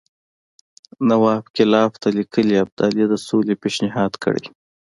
نواب کلایف ته لیکلي ابدالي د سولې پېشنهاد کړی.